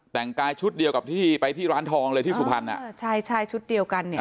แต่งกายชุดเดียวกับที่ไปที่ร้านทองเลยที่สุพรรณอ่ะอ่าใช่ใช่ชุดเดียวกันเนี่ย